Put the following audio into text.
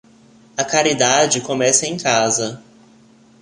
A caridade começa em casa.